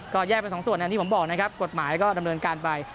ก็แยกเป็นสองส่วนอันนี้ผมบอกนะครับกฎหมายก็ดำเนินการไป